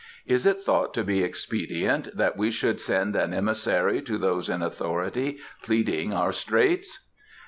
Is it thought to be expedient that we should send an emissary to those in authority, pleading our straits?"